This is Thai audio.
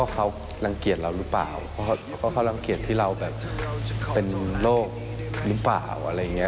เขารังเกียจเรารู้ป่าวเขารังเกียจที่เราเป็นโลกหรือเปล่าอะไรอย่างนี้